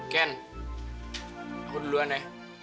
ken aku duluan ya